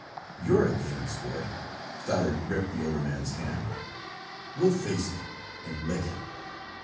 "You're a game sport!" Stoddard gripped the older man's hand. "We'll face it and lick it!"